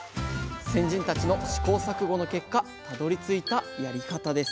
先人たちの試行錯誤の結果たどりついたやり方です